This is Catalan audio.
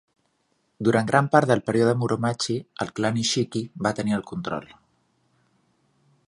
Durant gran part del període Muromachi, el clan Isshiki va tenir el control.